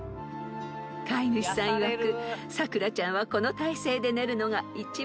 ［飼い主さんいわくさくらちゃんはこの体勢で寝るのが一番落ち着くそうです］